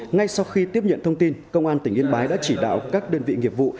ngay sau khi tiếp nhận thông tin công an tỉnh yên bái đã chỉ đạo các đơn vị nghiệp vụ